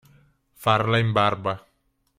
Farla in barba.